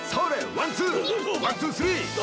ワンツースリー！